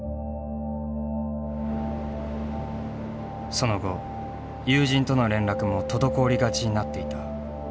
その後友人との連絡も滞りがちになっていた。